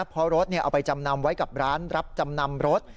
เพราะรถเอาไปจำนำไว้กับร้านรับจำนำรถ